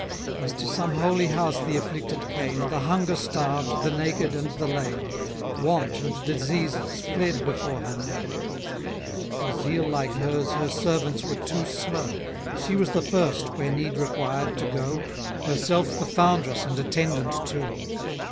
As to some holy house the afflicted came, } The hunger starved, the naked, and the lame, } Want and diseases fled before her name. } For zeal like her's her servants were too slow; } She was the first, where need required, to go; } Herself the foundress and attendant too.